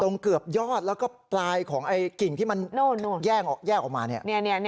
เกือบยอดแล้วก็ปลายของกิ่งที่มันแยกออกมาเนี่ย